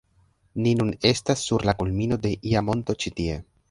Ni nun estas sur la kulmino de ia monto ĉi tie